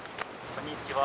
こんにちは。